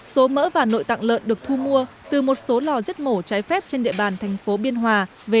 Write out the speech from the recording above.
số mỡ và nội tạng lợn được thu mua từ một số lò giết mổ trái phép trên địa bàn tp biên hòa